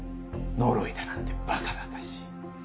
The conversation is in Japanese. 呪いだなんてばかばかしい。